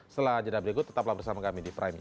setelah jeda berikut tetaplah bersama kami di prime news